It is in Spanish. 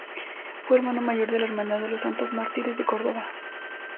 Fue Hermano Mayor de la Hermandad de los Santos Mártires de Córdoba.